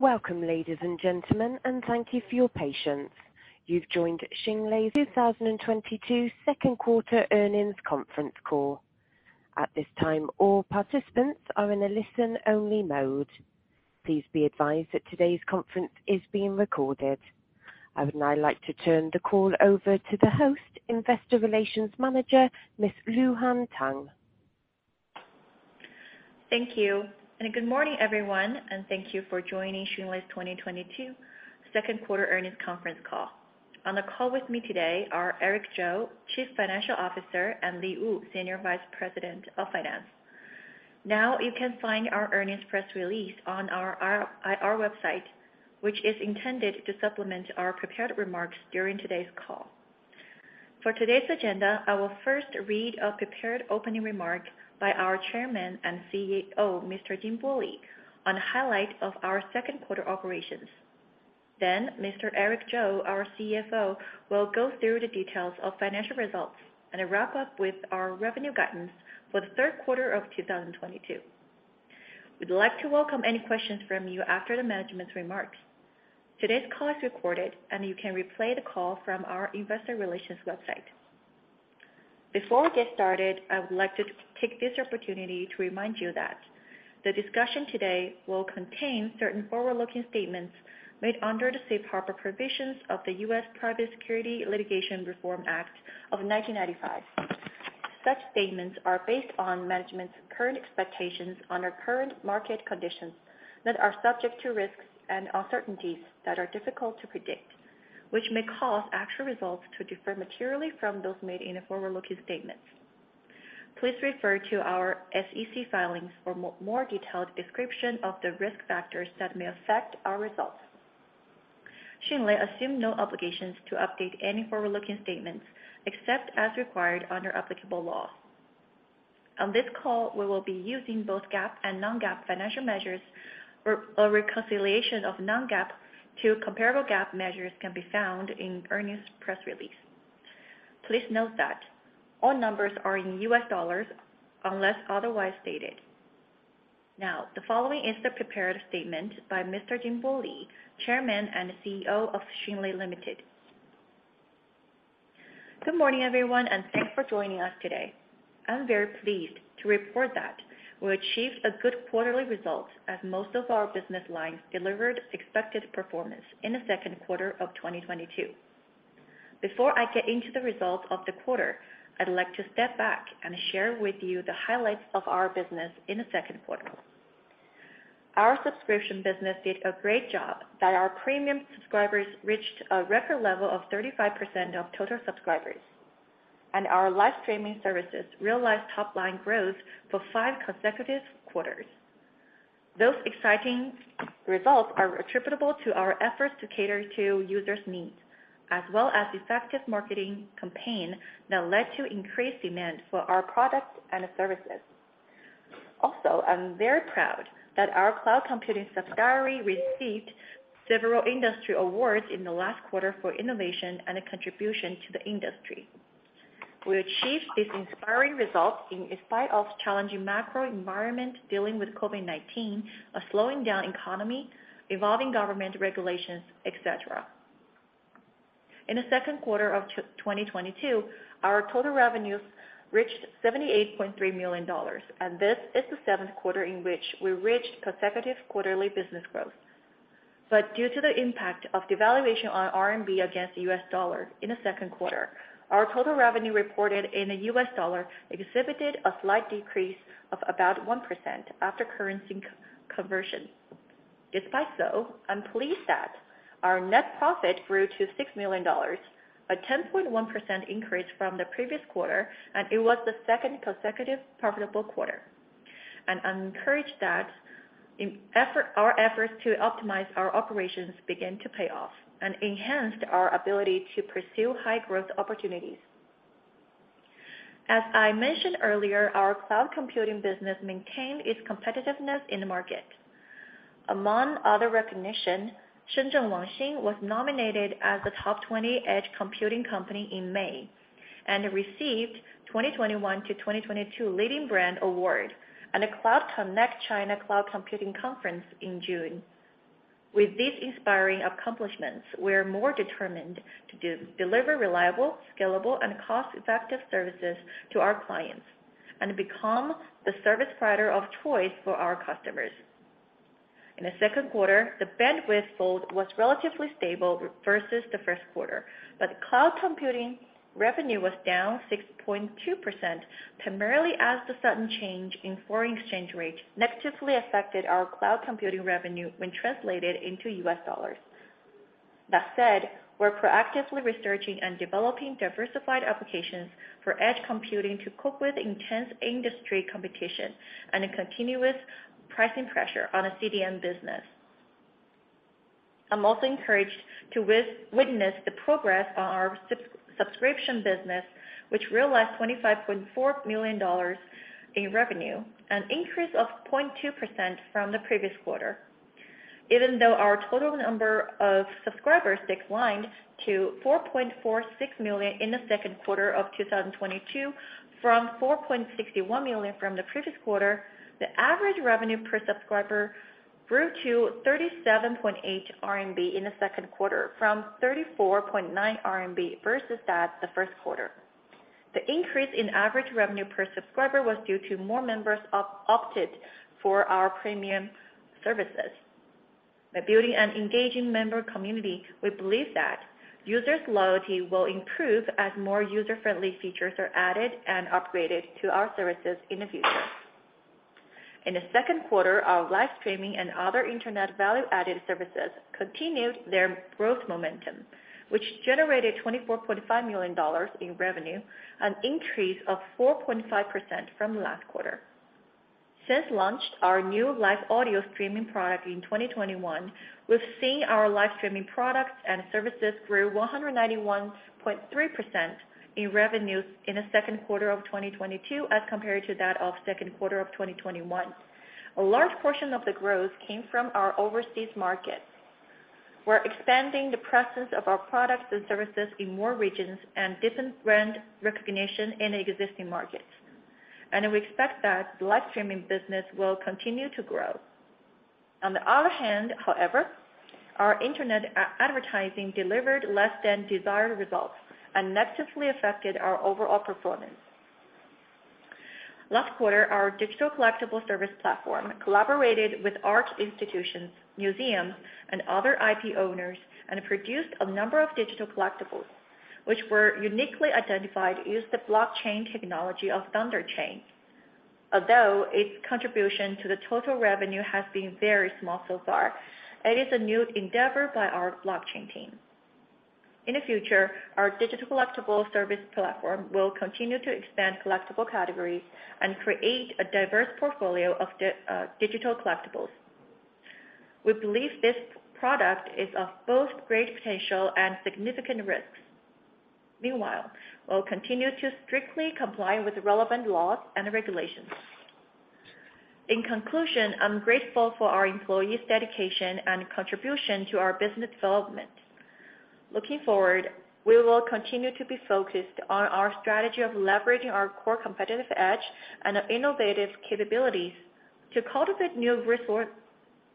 Welcome, ladies and gentlemen, and thank you for your patience. You've joined Xunlei's 2022 second quarter earnings conference call. At this time, all participants are in a listen-only mode. Please be advised that today's conference is being recorded. I would now like to turn the call over to the host, Investor Relations Manager, Miss Luhan Tang. Thank you. Good morning, everyone, and thank you for joining Xunlei's 2022 second quarter earnings conference call. On the call with me today are Eric Zhou, Chief Financial Officer, and Li Li, Senior Vice President of Finance. Now you can find our earnings press release on our IR website, which is intended to supplement our prepared remarks during today's call. For today's agenda, I will first read a prepared opening remark by our chairman and CEO, Mr. Jinbo Li, on highlight of our second quarter operations. Then Mr. Eric Zhou, our CFO, will go through the details of financial results and wrap up with our revenue guidance for the third quarter of 2022. We'd like to welcome any questions from you after the management's remarks. Today's call is recorded, and you can replay the call from our investor relations website. Before we get started, I would like to take this opportunity to remind you that the discussion today will contain certain forward-looking statements made under the safe harbor provisions of the U.S. Private Securities Litigation Reform Act of 1995. Such statements are based on management's current expectations under current market conditions that are subject to risks and uncertainties that are difficult to predict, which may cause actual results to differ materially from those made in the forward-looking statements. Please refer to our SEC filings for more detailed description of the risk factors that may affect our results. Xunlei assume no obligations to update any forward-looking statements except as required under applicable law. On this call, we will be using both GAAP and non-GAAP financial measures. A reconciliation of non-GAAP to comparable GAAP measures can be found in earnings press release. Please note that all numbers are in US dollars unless otherwise stated. Now, the following is the prepared statement by Mr. Jinbo Li, Chairman and CEO of Xunlei Limited. Good morning, everyone, and thanks for joining us today. I'm very pleased to report that we achieved a good quarterly result as most of our business lines delivered expected performance in the second quarter of 2022. Before I get into the results of the quarter, I'd like to step back and share with you the highlights of our business in the second quarter. Our subscription business did a great job that our premium subscribers reached a record level of 35% of total subscribers. Our live streaming services realized top-line growth for 5 consecutive quarters. Those exciting results are attributable to our efforts to cater to users' needs, as well as effective marketing campaign that led to increased demand for our products and services. Also, I'm very proud that our cloud computing subsidiary received several industry awards in the last quarter for innovation and a contribution to the industry. We achieved these inspiring results in spite of challenging macro environment dealing with COVID-19, a slowing down economy, evolving government regulations, et cetera. In the second quarter of 2022, our total revenues reached $78.3 million, and this is the seventh quarter in which we reached consecutive quarterly business growth. Due to the impact of devaluation on RMB against the US dollar in the second quarter, our total revenue reported in the US dollar exhibited a slight decrease of about 1% after currency conversion. Despite so, I'm pleased that our net profit grew to $6 million, a 10.1% increase from the previous quarter, and it was the second consecutive profitable quarter. I'm encouraged that our efforts to optimize our operations begin to pay off and enhanced our ability to pursue high growth opportunities. As I mentioned earlier, our cloud computing business maintained its competitiveness in the market. Among other recognition, Shenzhen Wangxin was nominated as the top 20 edge computing company in May and received 2021-2022 Leading Brand Award at the Cloud Connect China Cloud Computing Conference in June. With these inspiring accomplishments, we're more determined to deliver reliable, scalable, and cost-effective services to our clients and become the service provider of choice for our customers. In the second quarter, the bandwidth cost was relatively stable versus the first quarter, but cloud computing revenue was down 6.2%, primarily as the sudden change in foreign exchange rate negatively affected our cloud computing revenue when translated into U.S. dollars. That said, we're proactively researching and developing diversified applications for edge computing to cope with intense industry competition and a continuous pricing pressure on a CDN business. I'm also encouraged to witness the progress on our subscription business, which realized $25.4 million in revenue, an increase of 0.2% from the previous quarter. Even though our total number of subscribers declined to 4.46 million in the second quarter of 2022 from 4.61 million from the previous quarter, the average revenue per subscriber grew to 37.8 RMB in the second quarter from 34.9 RMB versus that the first quarter. The increase in average revenue per subscriber was due to more members opted for our premium services. By building an engaging member community, we believe that users loyalty will improve as more user-friendly features are added and upgraded to our services in the future. In the second quarter, our live streaming and other Internet Value-Added Services continued their growth momentum, which generated $24.5 million in revenue, an increase of 4.5% from last quarter. Since launched our new live audio streaming product in 2021, we've seen our live streaming products and services grew 191.3% in revenues in the second quarter of 2022 as compared to that of second quarter of 2021. A large portion of the growth came from our overseas markets. We're expanding the presence of our products and services in more regions and different brand recognition in existing markets. We expect that the live streaming business will continue to grow. On the other hand, however, our internet advertising delivered less than desired results and negatively affected our overall performance. Last quarter, our digital collectible service platform collaborated with art institutions, museums, and other IP owners, and produced a number of digital collectibles, which were uniquely identified using the blockchain technology of ThunderChain. Although its contribution to the total revenue has been very small so far, it is a new endeavor by our blockchain team. In the future, our digital collectible service platform will continue to expand collectible categories and create a diverse portfolio of digital collectibles. We believe this product is of both great potential and significant risks. Meanwhile, we'll continue to strictly comply with the relevant laws and regulations. In conclusion, I'm grateful for our employees' dedication and contribution to our business development. Looking forward, we will continue to be focused on our strategy of leveraging our core competitive edge and innovative capabilities to cultivate new resources,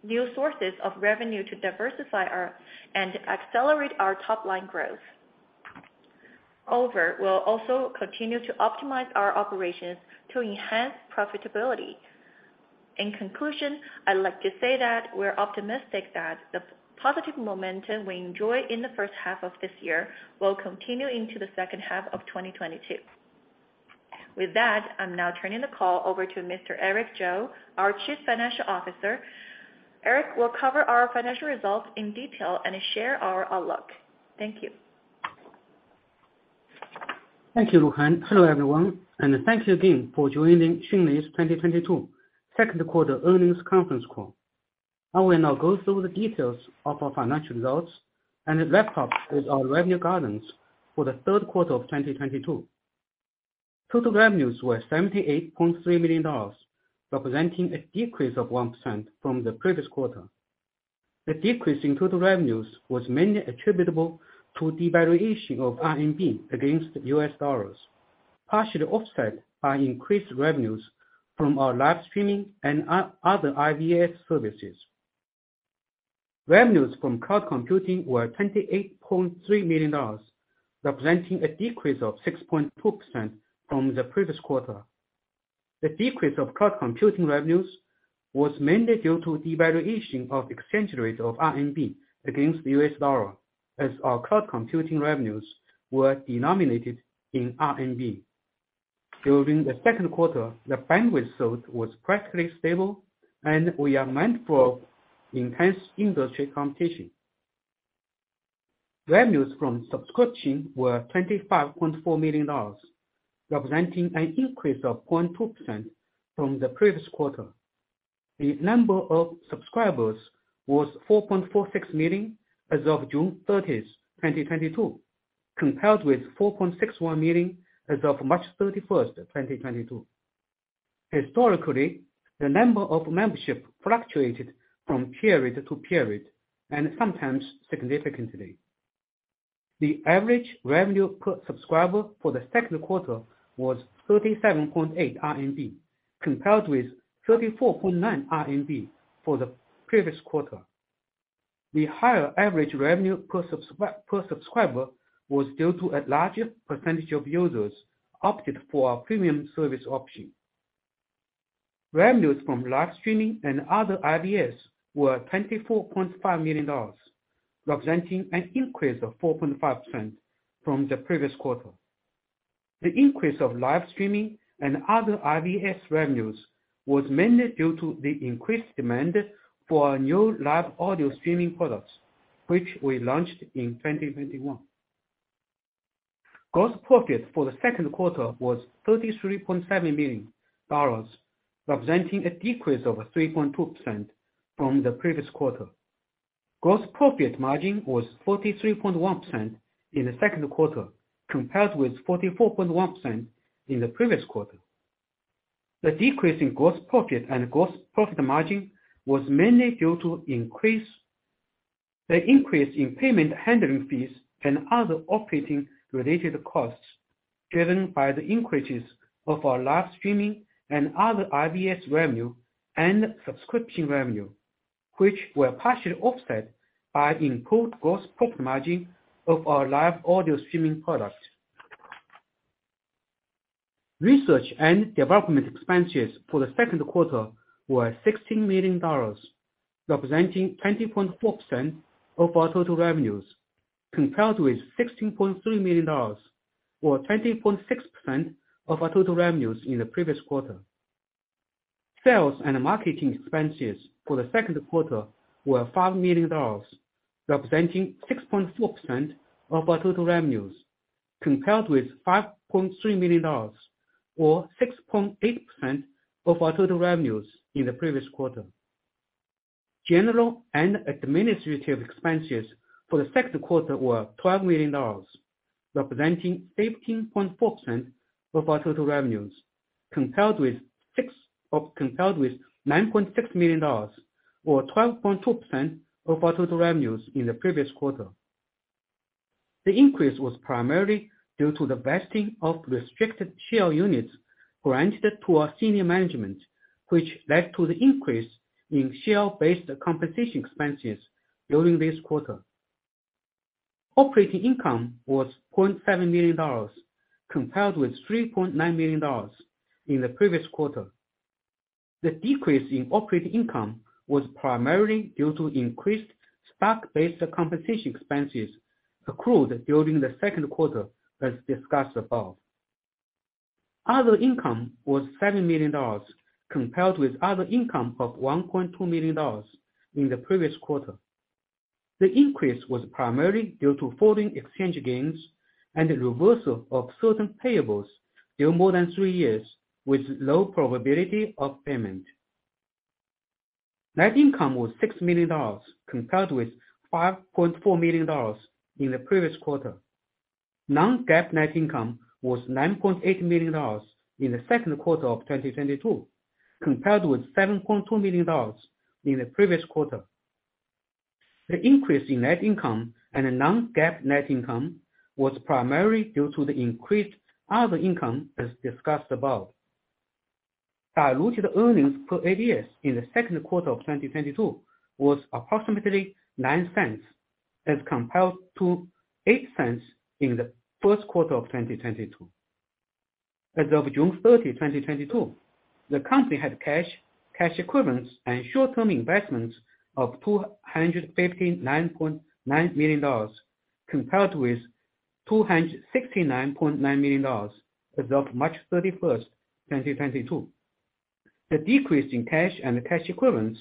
new sources of revenue to diversify and accelerate our top-line growth. Overall, we'll also continue to optimize our operations to enhance profitability. In conclusion, I'd like to say that we're optimistic that the positive momentum we enjoy in the first half of this year will continue into the second half of 2022. With that, I'm now turning the call over to Mr. Eric Zhou, our Chief Financial Officer. Eric will cover our financial results in detail and share our outlook. Thank you. Thank you, Luhan. Hello, everyone, and thank you again for joining Xunlei's 2022 second quarter earnings conference call. I will now go through the details of our financial results and also our revenue guidance for the third quarter of 2022. Total revenues were $78.3 million, representing a decrease of 1% from the previous quarter. The decrease in total revenues was mainly attributable to devaluation of RMB against the US dollars, partially offset by increased revenues from our live streaming and other IVAS services. Revenues from cloud computing were $28.3 million, representing a decrease of 6.2% from the previous quarter. The decrease of cloud computing revenues was mainly due to devaluation of exchange rate of RMB against the US dollar, as our cloud computing revenues were denominated in RMB. During the second quarter, the bandwidth sold was practically stable and we are mindful of intense industry competition. Revenues from subscription were $25.4 million, representing an increase of 0.2% from the previous quarter. The number of subscribers was 4.46 million as of June thirtieth, 2022, compared with 4.61 million as of March thirty-first, 2022. Historically, the number of membership fluctuated from period to period, and sometimes significantly. The average revenue per subscriber for the second quarter was 37.8 RMB, compared with 34.9 RMB for the previous quarter. The higher average revenue per subscriber was due to a larger percentage of users opted for our premium service option. Revenues from live streaming and other IVAS were $24.5 million, representing an increase of 4.5% from the previous quarter. The increase of live streaming and other IVAS revenues was mainly due to the increased demand for our new live audio streaming products, which we launched in 2021. Gross profit for the second quarter was $33.7 million, representing a decrease of 3.2% from the previous quarter. Gross profit margin was 43.1% in the second quarter, compared with 44.1% in the previous quarter. The decrease in gross profit and gross profit margin was mainly due to the increase in payment handling fees and other operating related costs driven by the increases of our live streaming and other IVAS revenue and subscription revenue, which were partially offset by improved gross profit margin of our live audio streaming products. Research and development expenses for the second quarter were $16 million, representing 20.4% of our total revenues, compared with $16.3 million or 20.6% of our total revenues in the previous quarter. Sales and marketing expenses for the second quarter were $5 million, representing 6.4% of our total revenues, compared with $5.3 million or 6.8% of our total revenues in the previous quarter. General and administrative expenses for the second quarter were $12 million, representing 18.4% of our total revenues, compared with $9.6 million or 12.2% of our total revenues in the previous quarter. The increase was primarily due to the vesting of restricted share units granted to our senior management, which led to the increase in share-based compensation expenses during this quarter. Operating income was $0.7 million, compared with $3.9 million in the previous quarter. The decrease in operating income was primarily due to increased stock-based compensation expenses accrued during the second quarter, as discussed above. Other income was $7 million, compared with other income of $1.2 million in the previous quarter. The increase was primarily due to foreign exchange gains and the reversal of certain payables due more than three years with low probability of payment. Net income was $6 million, compared with $5.4 million in the previous quarter. non-GAAP net income was $9.8 million in the second quarter of 2022, compared with $7.2 million in the previous quarter. The increase in net income and non-GAAP net income was primarily due to the increased other income as discussed above. Diluted earnings per ADS in the second quarter of 2022 was approximately $0.09 as compared to $0.08 in the first quarter of 2022. As of June 30, 2022, the company had cash equivalents and short-term investments of $259.9 million, compared with $269.9 million as of March 31, 2022. The decrease in cash and cash equivalents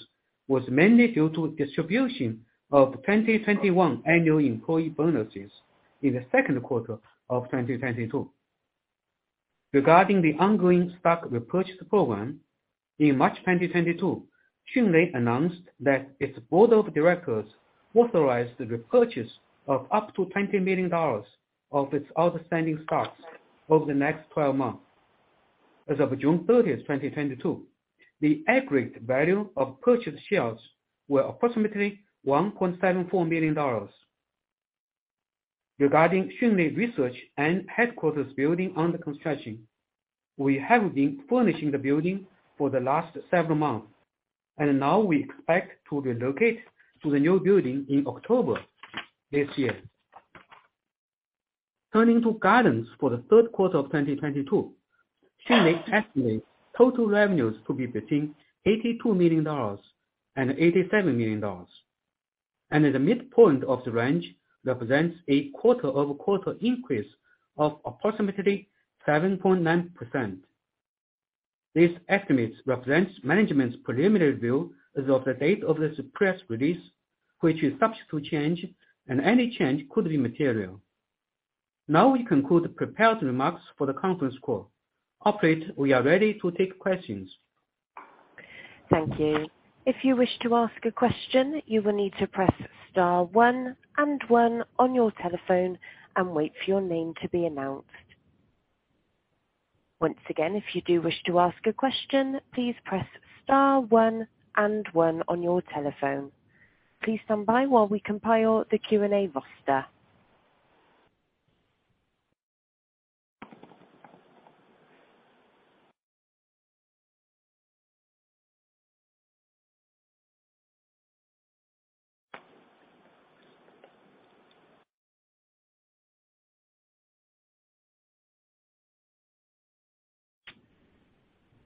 was mainly due to distribution of 2021 annual employee bonuses in the second quarter of 2022. Regarding the ongoing stock repurchase program, in March 2022, Xunlei announced that its board of directors authorized the repurchase of up to $20 million of its outstanding stocks over the next 12 months. As of June 30, 2022, the aggregate value of purchased shares were approximately $1.74 million. Regarding Xunlei research and headquarters building under construction, we have been furnishing the building for the last several months, and now we expect to relocate to the new building in October this year. Turning to guidance for the third quarter of 2022, Xunlei estimates total revenues to be between $82 million and $87 million, and at the midpoint of the range represents a quarter-over-quarter increase of approximately 7.9%. This estimate represents management's preliminary view as of the date of this press release, which is subject to change, and any change could be material. Now we conclude the prepared remarks for the conference call. Operator, we are ready to take questions. Thank you. If you wish to ask a question, you will need to press star one and one on your telephone and wait for your name to be announced. Once again, if you do wish to ask a question, please press star one and one on your telephone. Please stand by while we compile the Q&A roster.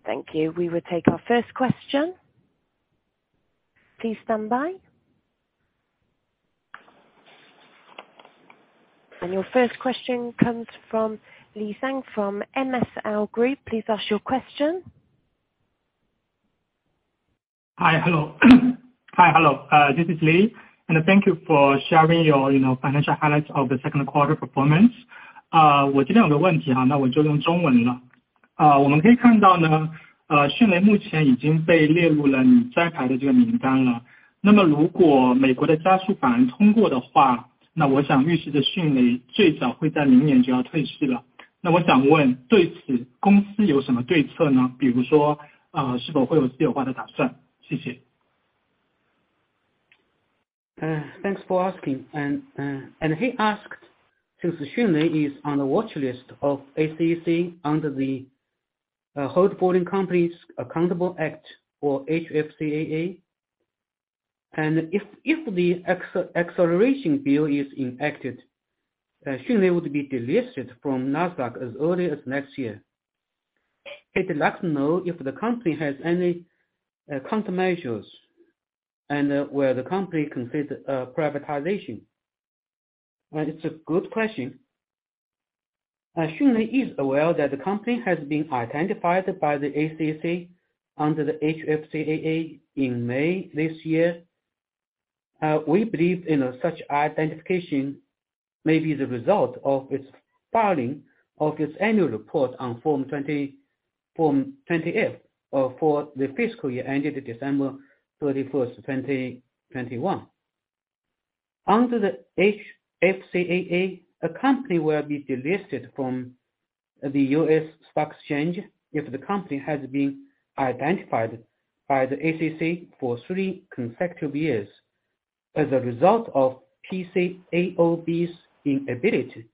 Thank you. We will take our first question. Please stand by. Your first question comes from Li Zhang from MSL Group. Please ask your question. Hello. This is Li, and thank you for sharing your, you know, financial highlights of the second quarter performance. 那我想问对此公司有什么对策呢？比如说，是否会有私有化的打算？谢谢。Thanks for asking. He asked since Xunlei is on the watch list of PCAOB under the Holding Foreign Companies Accountable Act or HFCAA. If the acceleration bill is enacted, Xunlei would be delisted from Nasdaq as early as next year. He'd like to know if the company has any countermeasures and will the company consider privatization. Well, it's a good question. Xunlei is aware that the company has been identified by the PCAOB under the HFCAA in May this year. We believe, you know, such identification may be the result of its filing of its annual report on Form 20-F for the fiscal year ended December 31, 2021. Under the HFCAA, a company will be delisted from the U.S. stock exchange if the company has been identified by the SEC for three consecutive years as a result of PCAOB's inability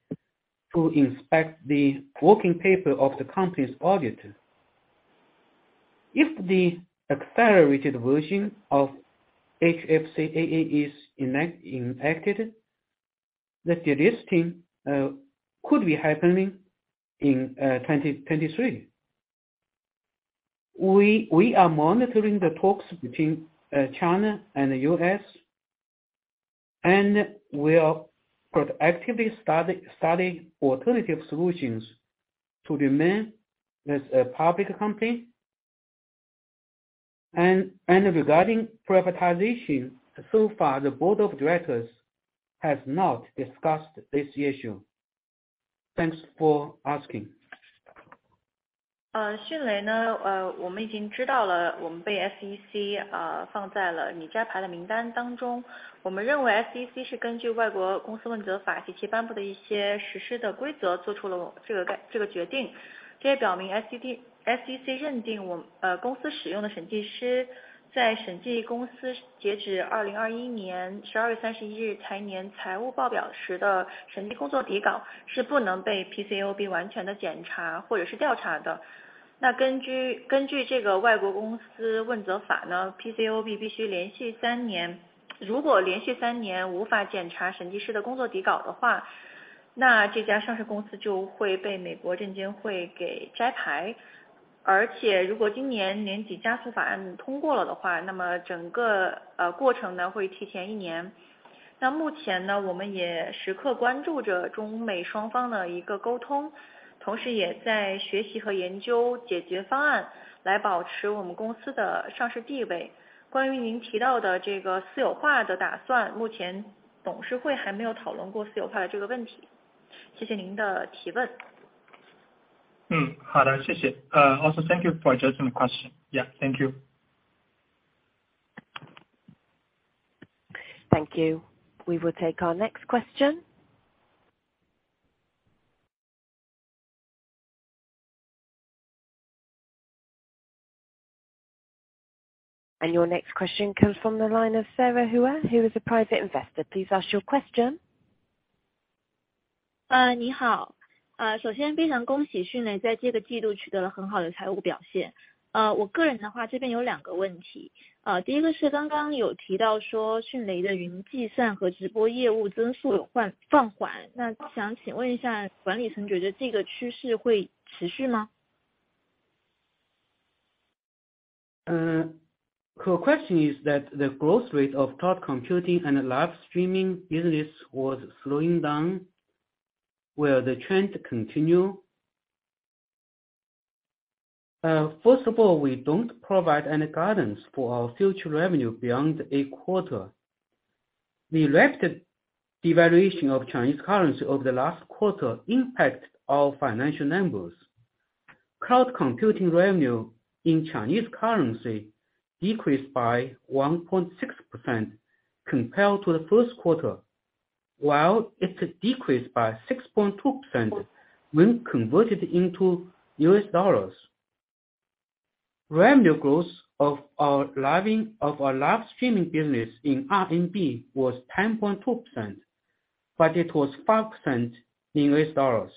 to inspect the working paper of the company's auditor. If the accelerated version of HFCAA is enacted, the delisting could be happening in 2023. We are monitoring the talks between China and the U.S., and we are proactively studying alternative solutions to remain as a public company. Regarding privatization, so far, the board of directors has not discussed this issue. Thanks for asking. Okay, thank you. Also thank you for addressing the question. Yeah. Thank you. Thank you. We will take our next question. Your next question comes from the line of Sarah Hua, who is a Private Investor. Please ask your question. 你好，首先非常恭喜迅雷在这个季度取得了很好的财务表现。我个人的话，这边有两个问题，第一个是刚刚有提到说迅雷的云计算和直播业务增速有缓，放缓。那想请问一下管理层觉得这个趋势会持续吗？ Her question is that the growth rate of cloud computing and live streaming business was slowing down. Will the trend continue? First of all, we don't provide any guidance for our future revenue beyond a quarter. The rapid devaluation of Chinese currency over the last quarter impacted our financial numbers. Cloud computing revenue in Chinese currency decreased by 1.6% compared to the first quarter, while it decreased by 6.2% when converted into US dollars. Revenue growth of our live streaming business in RMB was 10.2%, but it was 5% in US dollars.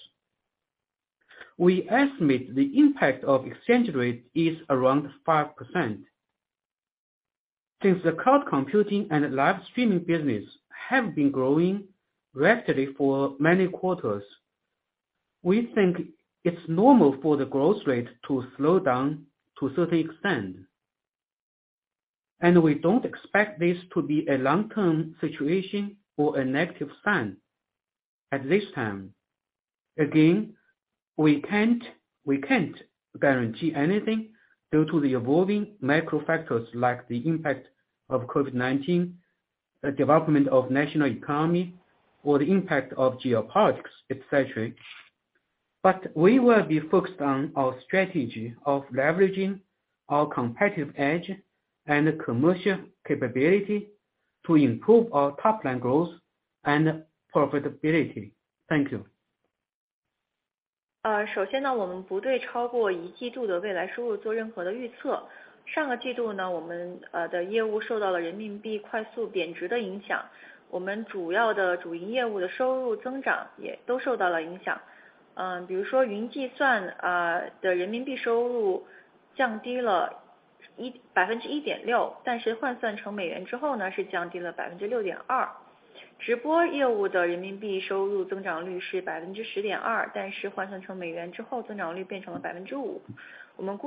We estimate the impact of exchange rate is around 5%. Since the cloud computing and live streaming business have been growing rapidly for many quarters, we think it's normal for the growth rate to slow down to a certain extent. We don't expect this to be a long term situation or a negative sign at this time. Again, we can't guarantee anything due to the evolving macro factors like the impact of COVID-19, the development of national economy or the impact of geopolitics, et cetera. We will be focused on our strategy of leveraging our competitive edge and commercial capability to improve our top-line growth and profitability. Thank you. Mm-hmm.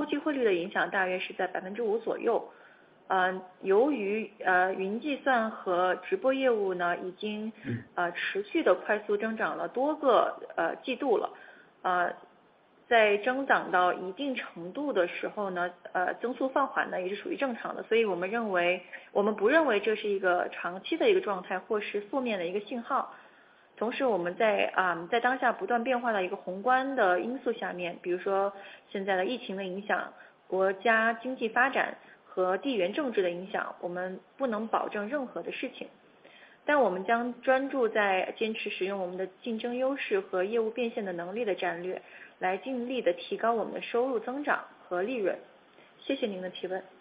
持续地快速增长了多个季度。在增长到一定程度的时候，增速放缓也是属于正常的。所以我们认为，我们不认为这是一个长期的状态，或是负面的一个信号。同时我们在当下不断变化的宏观因素下面，比如说现在的疫情的影响、国家经济发展和地缘政治的影响，我们不能保证任何的事情，但我们将专注在坚持使用我们的竞争优势和业务变现的能力的战略，来尽力地提高我们的收入增长和利润。谢谢您的提问。We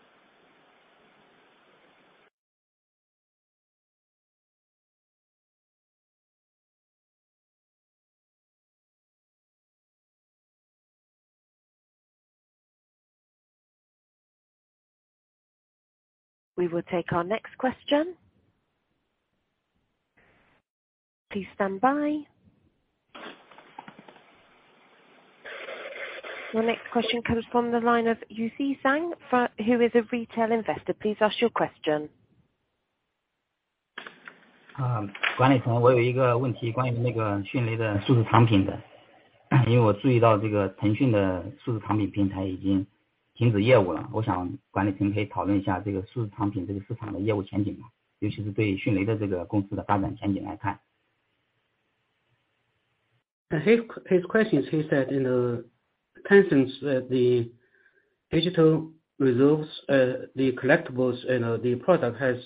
will take our next question. Please stand by. Your next question comes from the line of Yusi Zhang, who is a retail investor. Please ask your question. 管理层，我有一个问题关于迅雷的数字藏品的。因为我注意到这个腾讯的数字藏品平台已经停止业务了，我想管理层可以讨论一下这个数字藏品这个市场的业务前景，尤其是对迅雷的这个公司的发展前景来看。His question is he said, you know, Tencent's digital collectibles, you know, the product has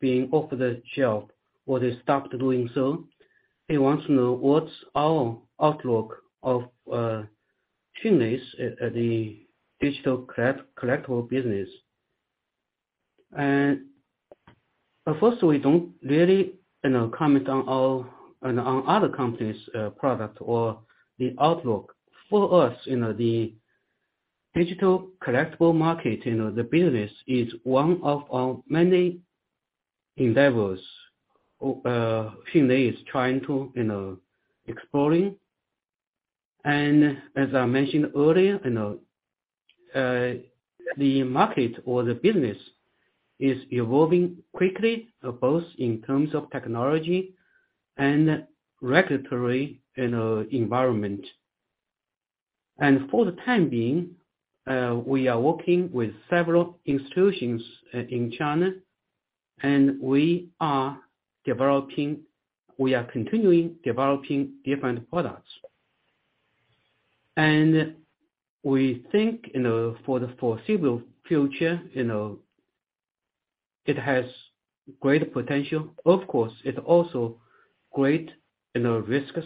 been off the shelf or they stopped doing so. He wants to know what's our outlook of Xunlei's the digital collectible business. Of course we don't really, you know, comment on other companies' product or the outlook. For us, you know, the digital collectible market, you know, the business is one of our many endeavors, Xunlei is trying to, you know, exploring. As I mentioned earlier, you know, the market or the business is evolving quickly, both in terms of technology and regulatory, you know, environment. For the time being, we are working with several institutions in China, and we are developing, we are continuing developing different products. We think, you know, for the foreseeable future, you know, it has great potential. Of course, it also has great risks.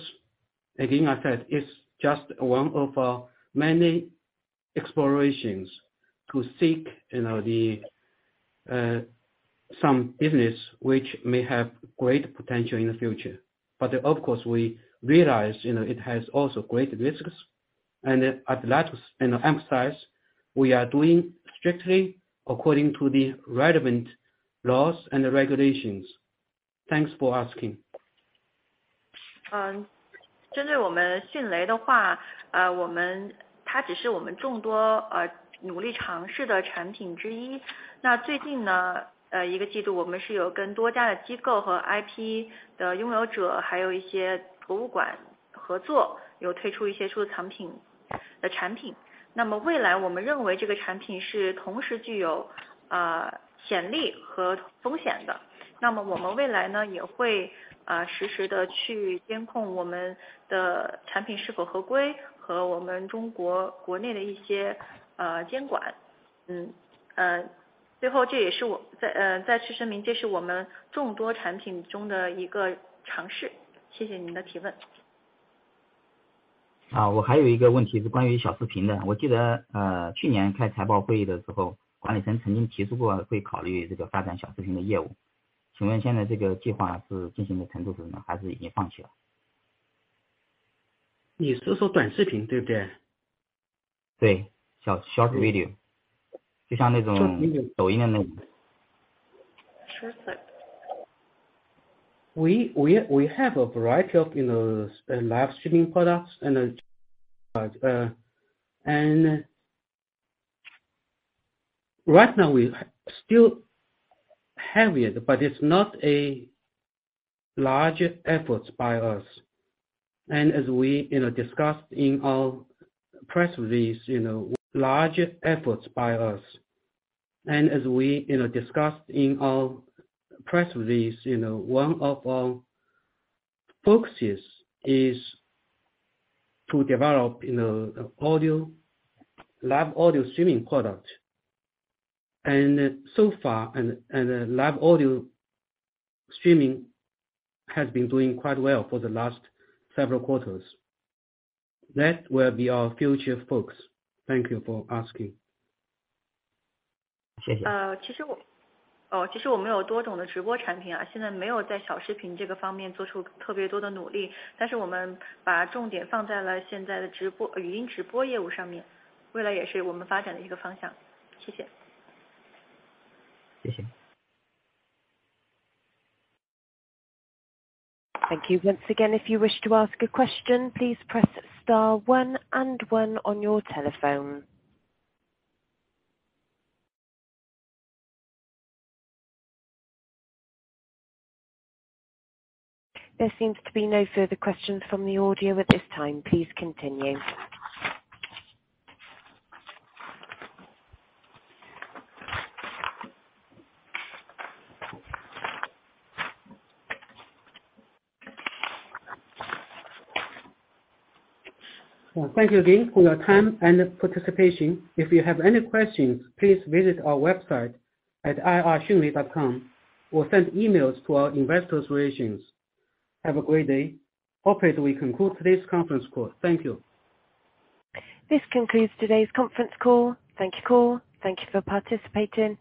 Again, I said it's just one of our many explorations to seek, you know, the, some business which may have great potential in the future. Of course we realize, you know, it also has great risks. At last, you know, emphasize we are doing strictly according to the relevant laws and regulations. Thanks for asking. 我还有一个问题是关于小视频的。我记得去年开财报会议的时候，管理层曾经提出过会考虑发展小视频的业务，请问现在这个计划是进行的程度如何？还是已经放弃了？ 你是说短视频，对不对？ 对，小，short video。就像那种 短视频。抖音那种。Short video. We have a variety of, you know, live streaming products and right now we still have it, but it's not a large effort by us. As we, you know, discussed in our press release, you know, one of our focuses is to develop, you know, live audio streaming product. So far, live audio streaming has been doing quite well for the last several quarters. That will be our future focus. Thank you for asking. 谢谢。其实我们有多种的直播产品，现在没有在小视频这个方面做出特别多的努力，但是我们把重点放在了现在的直播、语音直播业务上面，未来也是我们发展的一个方向。谢谢。谢谢。Thank you. Once again, if you wish to ask a question, please press star one and one on your telephone. There seems to be no further questions from the audience at this time. Please continue. Well, thank you again for your time and participation. If you have any questions, please visit our website at ir.xunlei.com or send emails to our investor relations. Have a great day. Okay, we conclude today's conference call. Thank you. This concludes today's conference call. Thank you for the call. Thank you for participating.